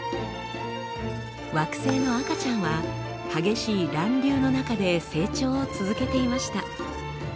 惑星の赤ちゃんは激しい乱流の中で成長を続けていました。